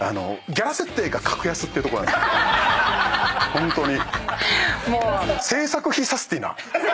ホントに。